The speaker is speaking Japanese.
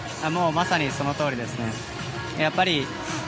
まさにそのとおりですね。